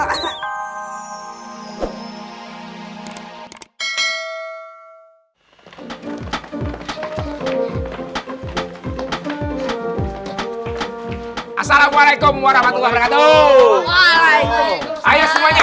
assalamualaikum warahmatullah wabarakatuh